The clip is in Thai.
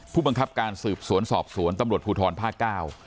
ผู้บังคับการสืบสวนสอบสวนตำรวจภูทรภาคเก้า